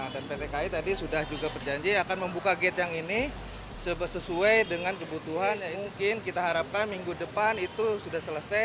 dan pt ki tadi sudah juga berjanji akan membuka gate yang ini sesuai dengan kebutuhan yang mungkin kita harapkan minggu depan itu sudah selesai